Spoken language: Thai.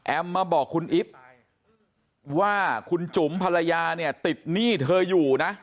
มาบอกคุณอิ๊บว่าคุณจุ๋มภรรยาเนี่ยติดหนี้เธออยู่นะ